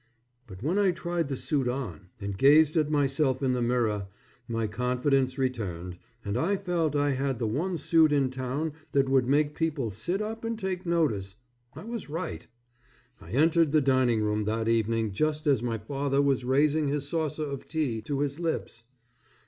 But when I tried the suit on, and gazed at myself in the mirror, my confidence returned, and I felt I had the one suit in town that would make people sit up and take notice. I was right. I entered the dining room that evening just as my father was raising his saucer of tea to his lips.